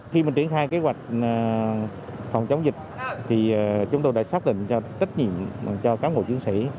khi mình triển khai kế hoạch phòng chống dịch thì chúng tôi đã xác định cho cán bộ chiến sĩ